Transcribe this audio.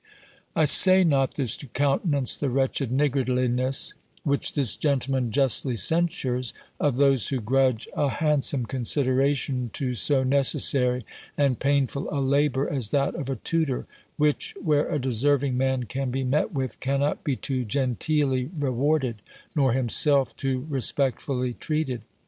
I say not this to countenance the wretched niggardliness (which this gentleman justly censures) of those who grudge a handsome consideration to so necessary and painful a labour as that of a tutor, which, where a deserving man can be met with, cannot be too genteelly rewarded, nor himself too respectfully treated.